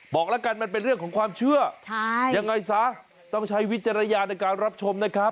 บอกแล้วกันมันเป็นเรื่องของความเชื่อยังไงซะต้องใช้วิจารณญาณในการรับชมนะครับ